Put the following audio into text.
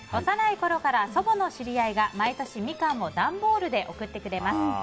幼いころから祖母の知り合いが毎年、ミカンを段ボールで送ってくれます。